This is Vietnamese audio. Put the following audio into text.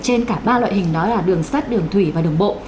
trên cả ba loại hình đó là đường sắt đường thủy và đường bộ